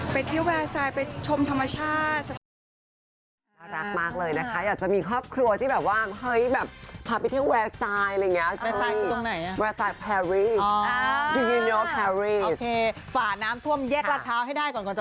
ไปเที่ยวแวร์ไซด์ไปชมธรรมชาติ